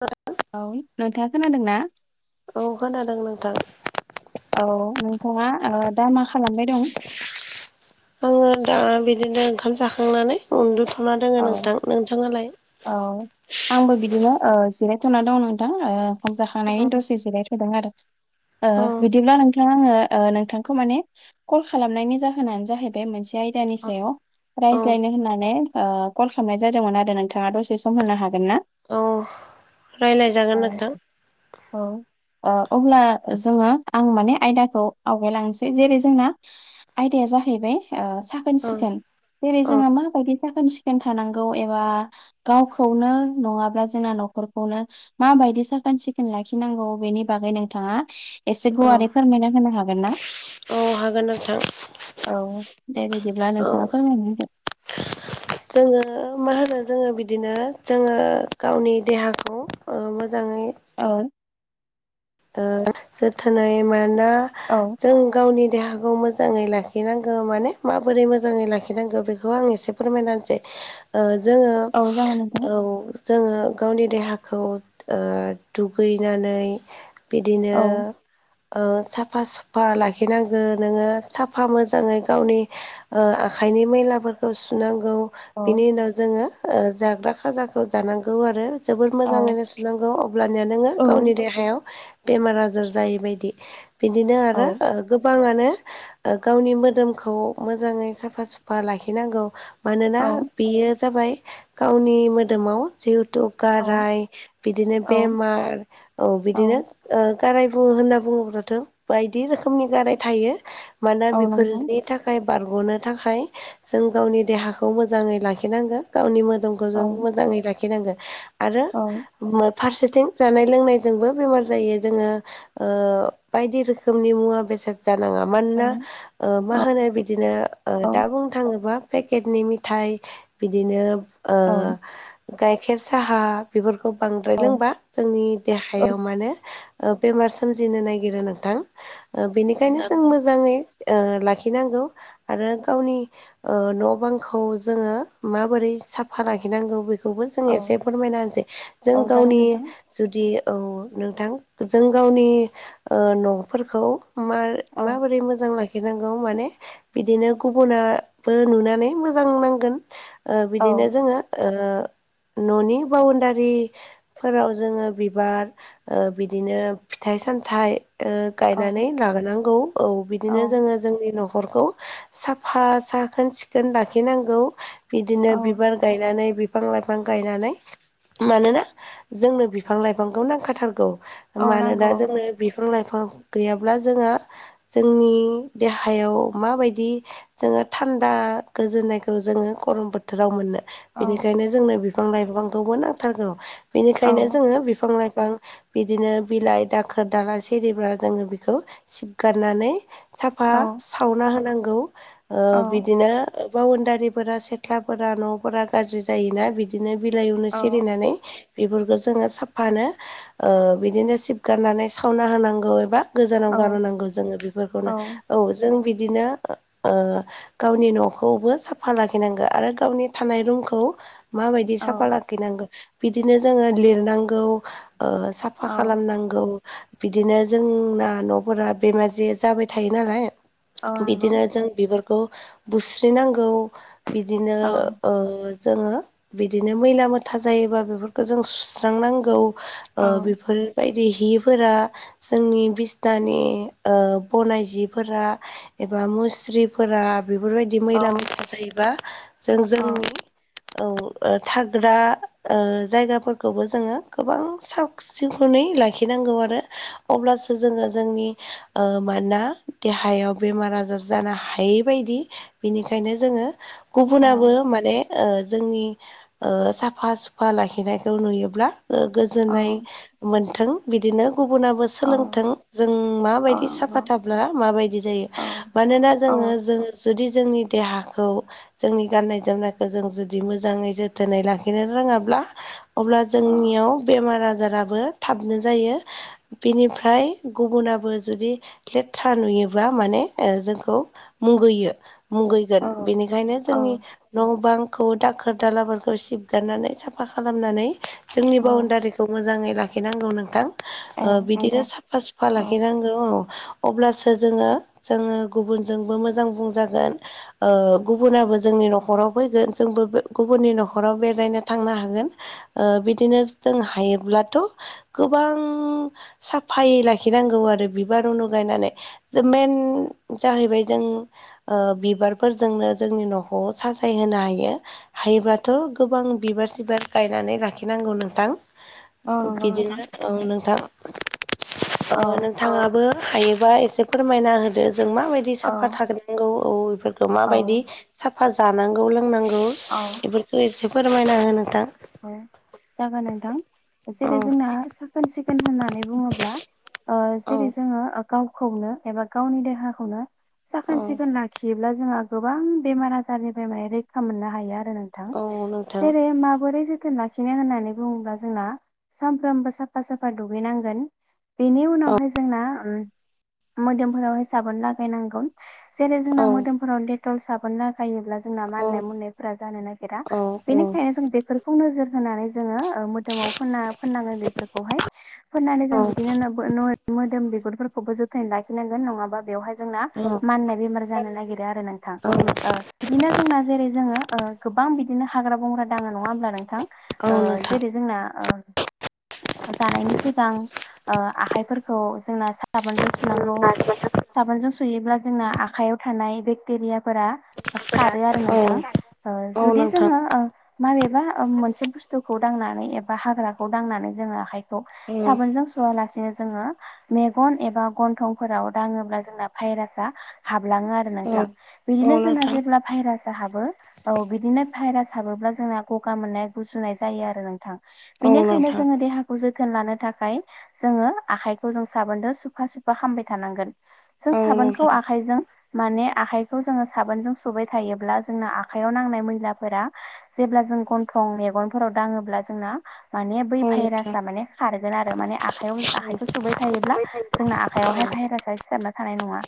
औ औ नोंथाङा खोनादों ना? औ खोनादों नोंथां औ नोंथाङा ओ दा मा खालामबाय दं आङो दा बिदिनो ओंखाम जाखांनानै उन्दुथ'ना दोङो औ नोंथां नोंथाङालाय ओ बिदिना ओ जिराय ना दं नोंथां ओ ओंखाम औ जाखांनानै दसे जिराय थ'दों आरो औ बिदिब्ला नोंथ आरो नाङो ओ नोंथांखौ माने कल खालामनायनि जाहोनानो जाहैबाय मोनसे आयदानि सायाव औ रायज्लायनो होननानै ओ कल खालामनाय जादोंमोन आरो नोंथाङा दसे सम होनो हागोन ना? औ औ रायलायजागोन नोंथां औ ओ अब्ला जोङो आं माने आयदाखौ आवगायलांसै जेरै जोंना आयदाया जाहैबाय ओ साखोन औ सिखोन जेरै औ जोङो माबायदि साखोन सिखोन थानांगौ एबा गावखौनो नङाब्ला जोंना न'खरखौनो माबायदि साखोन सिखोन लाखिनांगौ बेनि बागै नोंथाङा एसे औ गुवारै फोरमायना होनो हागोन ना? औ हागोन नोंथां औ दे बिदिब्ला औ नोंथाङा फोरमायनो दे जोङो मा होनो जोङो बिदिनो जोङो गावनि देहाखौ मोजाङै औ ओ जोथोनै मोनो औ जों गावनि देहाखौ मोजाङै लाखिनांगौ माने माबोरै मोजाङै लाखिनांगौ बेखौ आं एसे फोरमायनानैसै जोङो औ जागोन नोंथां औ जोङो गावनि देहाखौ दुगैनानै बिदिनो औ साफा सुफा लाखिनांगो नोङो साफा मोजाङै गावनि आखाइनि मैलाफोरखौ सुनांगौ औ बिनि उनाव जोङो जाग्रा खाजाखौ जानांगौ आरो जोबोर औ मोजाङैनो सुनांगौ अब्लनिया नोङो गावनि देहायाव बेमार आजार जायै बदि बिदिनो औ आरो गोबाङानो गावनि मोदोमखौ मोजाङै साफा सुफा लाखिनांगौ मानोना औ बेयो जाबाय गावनि मोदोमाव जिहेथु औ गाराय बिदिनो औ बेमार औ बिदिनो गाराय बुङो होनना बुङोब्लाथ' बायदि रोखोमनि गाराय थायो मानोना औ बेफोरनि नंगौ थाखाय थाखाय बारग'नो थाखाय जों गावनि देहाखौ मोजाङै लाखिनांगोन गावनि मोदोम औ जों मोजाङै लाखिनांगोन आरो औ फारसेथिं जानाय लोंनायजोंबो बेमार जायो जोङो बायदि रोखोमनि मुवा बेसाद जानाङा औ मानोना मा होनो बिदिनो औ दा बुंनो थाङोबा पेकेटनि मिथायाइ बिदिनो औ गाइखेर साहा बेफोरखौ बांद्राय औ लोंबा जोंनि औ देहायाव माने बेमार सोमजिनो नागिरो नोंथां बेनिखायनो जों जागोन नोंथां मोजाङै लाखिनांगौ आरो गावनि न' बांखौ जोङो माबोरै साफा लाखिनांगौ बेखौ खौबो जों औ एसे फोरमायना होनसै जों औ जागोन गावनि नोंथां। जुदि औ नोंथां जों गावनि न'फोरखौ औ मा-माबोरै मोजां लाखि खिनांगौ माने बिदिनो गुबुुनाबो नुनानै मोजां नांगोन औ बिदिनो जोङो न'नि बाउणडारिफोराव जोङो बिबार बिदिनो फिथाइ सामथाइ गायनानै औ लाबोनांगौ औ बिदिनो औ जोङो जोंनि न'खरखौ साफा साखोन सिखोन लाखिनांगौ औ बिदिनो बिबार गायनानै बिफां लाइफां गायनानै मानोना जोंनो बिफां लाइफांखौ नांखाथारगौ औ मानोना नांगौ जोंनो बिफां लाइफां गैयाब्ला जोंहा जोंनि देहायाव माबायदि जोङो थान्दा गोजोननायखौ जोङो गरम बोथोराव मोनो औ बेनिखायनो जोंनो बिफां लाइफांखौबो नांथारगौ औ बेनिखायनो जोङो बिफां लाइफां बिदिनो बिलाइ दाखोर दाला सिरिब्ला जोङो बेखौ सिबगारनानै साफा औ सावना होनांगौ औ बिदिनो बाउडारिफोरा सिथ्लाफोरा न'फोरा गाज्रि जायोना बिदि बिदिनो बिलाइयावनो औ सिरिनानै बेफोरखौ जोङो साफानो बिदिनो सिब गारनानै सावना होनांगौ एबा गोजानाव औ गारनांगौ जोङो बेफोरखौनो औ जों बिदिनो गावनि न'खौबो साफा लाखिनांगो आरो गावनि थानाय रुमखौ माबायदि साफा लाखिनांगौ बिदिनो जोङो लिरनांगौ साफा खालामनांगौ बिदिनो जोंना न'फोरा बेमाजे जाबाय थायो नालाय औ नांगौ बिदिनो जों बिबारखौ बुस्रिनांगौ बिदिनो औ जोङो बिदिनो मैला मोथा जायोबा बेफोरखौ जों सुस्रांनांगौ औ बेफोरो बायदि हिफोरा जोंनि बिसनानि बनाय जिफोरा एबा मुस्रिफोरा बेफोरबायदि औ मैला मैसाला जायोबा जों जोंनि औ थाग्रा जायगाफोरखौबो जोङो गोबां स सिखौै लाखिनांगौ आरो अब्लासो जोङो जोंनि मानोना देहायाव बेमार आजार जानो हायैबायदि बिनिखायनो जोङो औ गुबुनाबो माने जोंनि साफा सुफा लाखिनायखौ नुयोब्ला गोजोननाय औ मोनथों बिदिनो गुबुनाबो औ नंगौ औ सोलोंथों जों माबायदि साफ थााब्ला माबायदि जायो मानोना जोङो जो जुदि जोंनि देहाखौ जोंनि गाननाय जोमनायखौ जों जुदि मोजाङै जोथोनै लाखिनो रोङाब्ला अब्ला जोंनियाव बेमार आजाराबो थाबनो जायो बिनिफ्राय गुबुनाबो जुदि लेथ्रा नुयोबा माने जोंखौ मुगैयो मुगैगोन बेनिखायनो जोंनि न' बांखौ दाखोर दालाफोरखौ सिबगारनानै साफा खालामनानै जोंनि बाउणडारिखौ मै लाखिांगौ नोंथां औ बिदिनो नोंथां साफा सुफा औ लाखिनांगौ औ अब्लासो जोङो जोङो गुबुनजोंबो मोजां बुंजागोन गुबुनाबो जोंनि न'खराव फैगोन जोंबो गुबुननि न'खराव बेरायनो थांनो हागोन बिदिनो जों हायोब्लाथ' गोबां साफायै लाखिनांगौ आरो बिबार उनु गायनानै मेन जाहैबाय जों बिबारफोरजोंनो जोंनि न'खौर साजायहोनो हायो हायोब्लाथ' गोबां बिबार सिबार गायनानै लाखिनांगौ नोंथां औ नंगौ नोंथां बिदिनो नोंथां औ नोंथाङाबो हायोबा एसे फोरमायना होदो जों माबायदि दि साफा थागोनांगौ औ बेफोरखौ औ माबायदि साफा जानांगौ लोंनांगौ औ बेफोरखौ एसे फोरमायना होनो नोंथां औ जागोन नोंथां औ जेरै जोंना साखोन सिखोन होननानै बुङोब्ला औ जेरै जोङो गावखौनो एबा गावनि देहाखौनो औ साखोन सिखोन लाखियोब्ला जोंहा गोबां बेमार आजारनिफ्राय मा रैखा मोननो हायो आरो नोंथां औ नोंथां जेर माबोरै जोथोन लाखिनो होननानै बुङोब्ला जोंना सानफ्रोमबो साफा साफा दुगैनांगोन बेनि औ उनावहाय जोंना मोदोमफोरावह साबोन लागायनांगोन जेरै जोंना औ मोदोमफोराव डेटल साबोन लागायोब्ला जोंना माननाय मनायफोरा जानो नागिरा औ औ बेनिखायनो जों बेफोरखौ नोजोर होनानै जोङो मोदोमाव फोनां फोनाङो बेफोरखौहाय फोननानै जों औ बिदिनो मोदोम बिगुरफोरखौबो जोथोन लाखिनांगोन नङाबा बेवहाय जोंना औ मानाय बेमार जानो नागिरो आरो नोंथां औ बिदिनो जों जै ओ गोबां बिदिनो हाग्रा बंग्रा दाङो नङा होमब्ला औ नोंथां नोंथां जेरै जोंना जानायनि सिगां ओ आखाइफोरखौ जोंना साबोनजों सुनांगौ साबोनजों सुयोब्ला जोंना आखायाव थानाय बेकटेरियाफोरा खारो आरो औ नोंथां ओ औ जुदि नोंथां जोङो माबेबा मोनसे बुथुखौ दनानै एबा हाग्रा दनानै जोङो आख खौ औ साबोनजों सुवालासिनो जोङो मेगन एबा गन्थंफोराव दाङोब्ला जोंना भाइरासाआ हाबलाङो आरो औ नोंथां औ बिदिनो जोंना नोंथां जेब्ला भाइरासा हाबो औ बिदिनो भाइरास हाबोब्ला जोंना गगा मोननाय गुजुनाय जायो आरो नोंथां औ बेनिखायनो नोंथां जोङो देहा खौ जोथोन लानो थाखाय जोङो आखाइखौ जों साबोनद सुफा सुफा खामबाय थानांगोन जों औ साबोनखौ नोंथां आखाइजों माने आखाइखौ जोङो साबोनजों सुबाय थायोब्ला जोंनो आखाइयाव नांनाय मैला फोरा जेब्ला जों गन्थं मेगनफोराव दाङोब्ला जोंना माने बै औ नोंथां औ भाइरासाआ माने खारगोन आरो माने आखायाव आखाइखौ सुबाय थायोब्ला जोंना आखयावहाय भाइरासआ सिथाबना थानाय नङा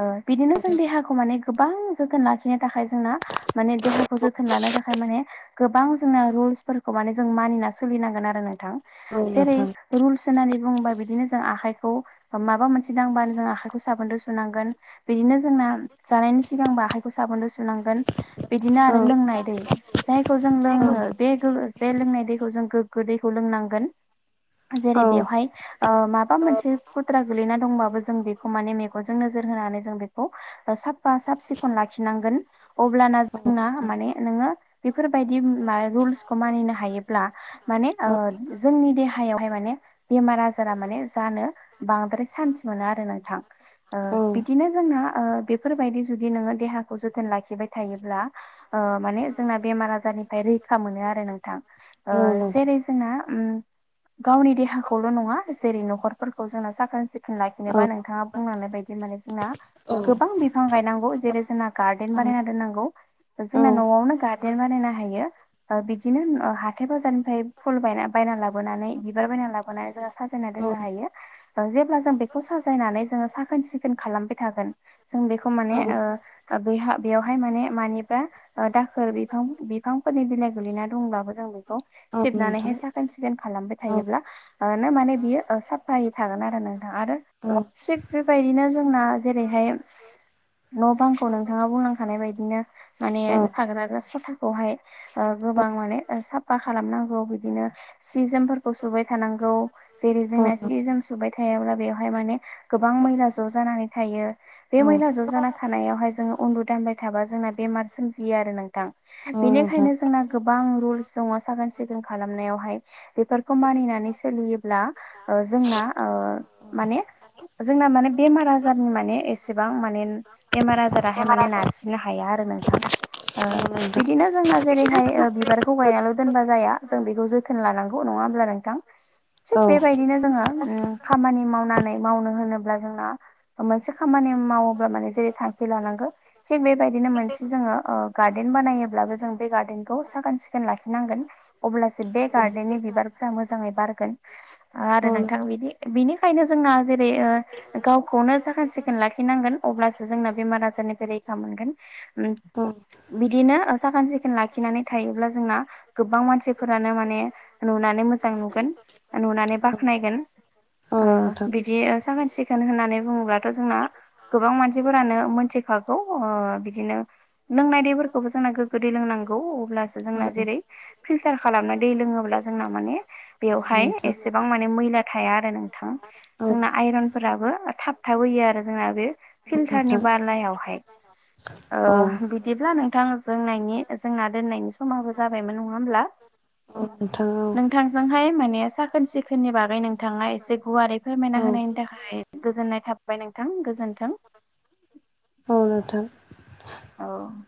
ओ बिदिनो जों देहा खौ माने गोबां जोथोन लाखिनो थाखाय जोंना माने देहाखौ जो थोन लानो थाखाय माने गोबां जों रुल्सफोरखौ माने जों मानिना सोलिनांगोन आरो नोंथां औ जेरै नोंथां रुल्स होननानै बुङोबा बिदिनो जों आखाइखौ माबा मोनसे दांबानो जों आखाइ आखाइखौ साबोन जों सुनांगोन बिदिनो जोंना जानायनि सिगांबो आखाइखौ साबोनजों सुनांगोन बिदिनो औ आरो लोंनाय दै जायखौ जों औ लोंनो बे गोगो बे लोंनाय दैखौ जों गोग्गो दैखौ लोंनांगोन जेरै औ बेवहाय ओ माबा मोनसे खुद्रा गोलैना दंबाबो जों बेखौ माने मेगनजों नोजोर होनानै जों बेखौ साफा साब सिखोन लाखिनांगोन अब्लाना औ औ जोंना नोंथां औ माने नोङो बेफोरबायदि मा रुल्सखौ मानिनो हायोब्ला माने ओ औ जोंनि देहायावहाय माने बेमार आजारा माने जानो बांद्राय सान्स मोनो आरो नोंथां ओ औ नोंथां औ नोंथां औ नोंथां औ नोंथां औ औ बिदिनो जोंना ओ बेफोरबायदि जुदि नोङो देहाखौ जोथोन लाखिबाय थायोब्ला ओ माने जोंना बेमार आजारनिफ्राय रैखा मोनो आरो नोंथां ओ जेरै जोंहा ओम गावनि देहाखौल' नङा जेरै न'खरफोरखौ जोंना साखोन सिखोन लाखिनोबा नोंथाङा बुंनानै बायदि माने जोंना गोबां बि बिफां गायनांगौ जेरै जोंना गार्डन बानायना दोननांगौ जोंना न'आवनो गार्डन बानायनो हायो ओ बिदिनो ओ हाथाय बाजारनिफ्राय फु बायना बायना लाबोनानै बिबार बायना लाबो बोनानै जोङो साजायना दोननो हायो ओं जेब्ला जों बेखौ साजायनानै जोङो साखोन सिखोन खालामबाय थागोन जों बेखौ माने ओ बे ओ बेयावहाय माने मानि फ्रा दाखोर बिफां बिफांफोरनि बिलाइ गोलैना दंब्लाबो जों खौ सिबनानैहाय साखोन सिखोन खालामबाय थायोब्ला ओ नो माने बियो ओ साफायै थागोन आरो नोंथां आरो सिब बेबायदिनो जोंना जेरैहाय न' बांखौ नोंथाङा बुंलांखानाय बायदिनो माने थाग्राजो खथाखौ हाय ओ गोबां माने ओ साफा खालामनांगौ बिदिनो सि जोमफोरखौ सुबाय थानांगौ जेरै जोंना सि जोम सुबाय थायाब्ला बेवहाय माने गोबां मैला ज' जानानै थायो बे मैला ज' जाना थानायावहाय जोङो उन्दु दामबाय थाबा जोंना बेमार सोमजियो आरो नोंथां बेनिखायनो जोंना गोबां रुल्स दङ साखोन सिखोन खालामनायावहाय बेफोरखौ मानिनानै सोलियोब्ला ओ जोंना ओ माने जोंना माने बेमार आजारनि माने एसेबां माने बेमार आजाराहाय माने नारसिननो हाया आरो नोंथां ओ बिदिनो जोंना जेरैहाय ओ बिबारखौ गायनाल' दोनबा जाया जों बेखौ जोथोन लानांगौ नङा होमब्ला नोंथां? थिग बेबायदिनो जोङो ओम खामानि मावनानै मावनो होनोब्ला जोंना मोनसे खामानि मावोब्ला माने जेरै थांखि लानांगौ थिग बेबायदिनो मोनसे जोङो गार्डेन बानायोब्लाबो जों बे गार्डेनखौ साखोन सिखोन लाखिनांगोन अब्लासो बे गार्डननि बिबारफोरा मोजाङै बारगोन ओ आरो नोंथां बिदि बिनिखायनो जोंना जेरै ओ गावखौनो साखोन सिखोन लाखिनांगोन अब्लासो जोंना बेमार आजारनिफ्राय रैखा मोनगोन उम नोंथां औ बिदिनो ओ साखोन सिखोन लाखिनानै थायोब्ला जोंना गोबां मानसिफोरानो माने नुनानै मोजां नुगोन नुनानै औ औ बाख्नायगोन नोंथां औ आ नोंथां बिदि साखोन सिख खोन होननानै बुङोब्लाथ' जोंना गोबां मानसिफोरानो मोनथिखागौ ओ बिदिनो लोंनाय दैफोरखौबो जोंना गोग्गो दै लोंनांगौ अब्लासो जोंना जेरै फिलटार खालामना दै लोङोब्ला जोंना माने बेयावहाय एसेबां मा ने मैला थाया आरो नोंथां औ नोंथां औ जोंना आइरनफोराबो थाबथाबोयो आरो जोंना बे फिलटारनि नोंथां बालायावहाय ओ औ बिद दिब्ला नोंथां जोंनायनि जोंना दोननायनि समाबो जाबायमोन नङा होमब्ला? नोंथां जोंहाय माने साखोन सिखोननि बागै नोंथाङा एसे गुवारै फोरमायना होनायनि थाखाय गोजोननाय थाबाय नोंथां गोजोनथों। औ नोथां। औ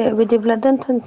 दे बिदिब्ला दोनथ'नसै।